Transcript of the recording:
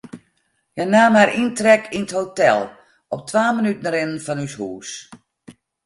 Hja naam har yntrek yn it hotel, op twa minuten rinnen fan ús hûs.